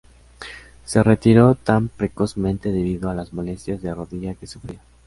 Se retiró tan precozmente debido a las molestias de rodilla que sufría.